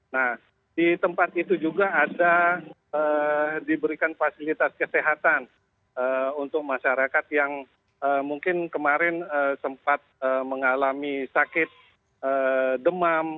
nah di tempat itu juga ada diberikan fasilitas kesehatan untuk masyarakat yang mungkin kemarin sempat mengalami sakit demam